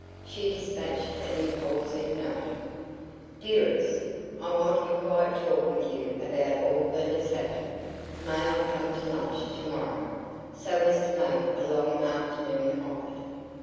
She despatched an impulsive note: "DEAREST, I want a quiet talk with you about all that has happened. May I come to lunch tomorrow, so as to make a long afternoon of it?